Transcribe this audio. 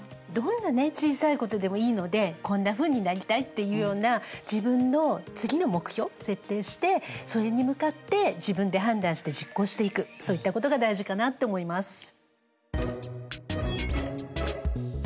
どんなね小さいことでもいいのでこんなふうになりたいっていうような自分の次の目標を設定してそれに向かって自分で判断して実行していくそういったことが大事かなって思います。